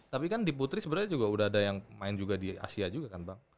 tapi kan di putri sebenarnya juga udah ada yang main juga di asia juga kan bang